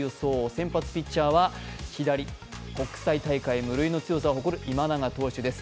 先発ピッチャーは左、国際大会無類の強さを誇る今永投手です。